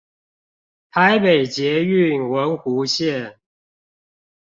台北捷運文湖線